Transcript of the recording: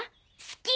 好き！